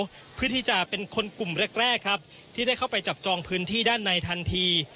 เพื่อที่จะเป็นคนกลุ่มแรกแรกครับที่ได้เข้าไปจับจองพื้นที่ด้านในทันที